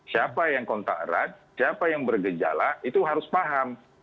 siapa yang kontak erat siapa yang bergejala itu harus paham